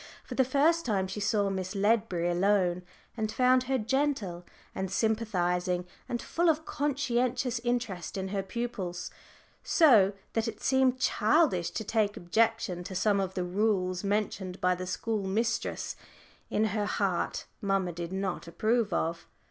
For the first time she saw Miss Ledbury alone, and found her gentle and sympathising, and full of conscientious interest in her pupils, so that it seemed childish to take objection to some of the rules mentioned by the school mistress which in her heart mamma did not approve of.